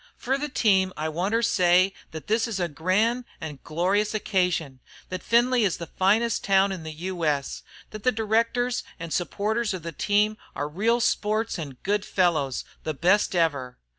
"Fer the team I wanter say thet this is a gran' an' glorious occasion, thet Findlay is the finest town in the U. S., thet the directors an' supporters of the team are real sports an' good fellows, the best ever!